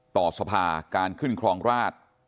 ต่อที่สภาคการขึ้นครองราตร